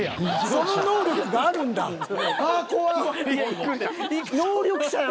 「その能力あるんだ」って。